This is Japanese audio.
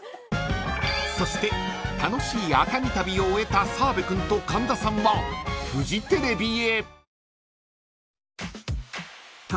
［そして楽しい熱海旅を終えた澤部君と神田さんはフジテレビへ］